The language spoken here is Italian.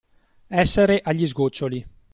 Essere agli sgoccioli.